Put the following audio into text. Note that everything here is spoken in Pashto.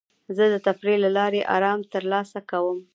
زه د تفریح له لارې ارام ترلاسه کوم.